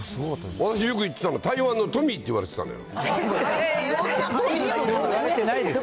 私、よく行ってたの、台湾のトミーって言われてたのよ。